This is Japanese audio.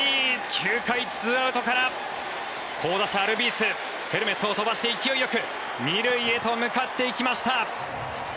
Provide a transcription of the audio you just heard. ９回２アウトから好打者、アルビーズヘルメットを飛ばして勢いよく２塁へと向かっていきました。